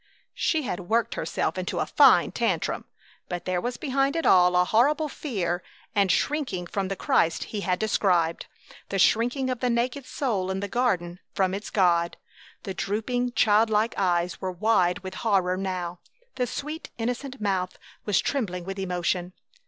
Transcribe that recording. She had worked herself into a fine tantrum, but there was behind it all a horrible fear and shrinking from the Christ he had described, the shrinking of the naked soul in the garden from its God. The drooping, child like eyes were wide with horror now; the sweet, innocent mouth was trembling with emotion.